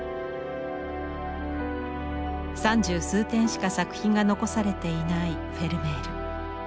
三十数点しか作品が残されていないフェルメール。